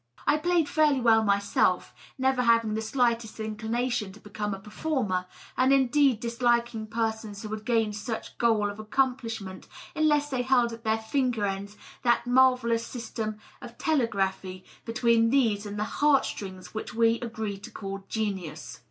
I played fairly well myself, never having the slightest inclination to become a " performer," and inde^ disliking persons who had gained such goal of accomplishment, unless they held at their finger ends that marvellous system of telegraphy between these and the heart strings which we agree to call genius.